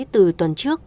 từ tuần trước